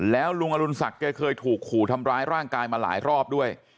แล้วลุงอรุณศักดิ์แกเคยถูกขู่ทำร้ายร่างกายมาหลายรอบด้วย